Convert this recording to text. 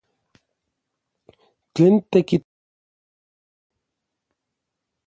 ¿Tlen tekitl tikchiua?